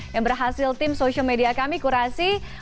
yang berhasil tim social media kami kurasi